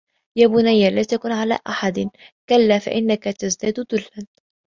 يَا بُنَيَّ لَا تَكُنْ عَلَى أَحَدٍ كَلًّا فَإِنَّك تَزْدَادُ ذُلًّا